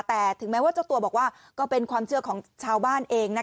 แต่ถึงแม้ว่าเจ้าตัวบอกว่าก็เป็นความเชื่อของชาวบ้านเอง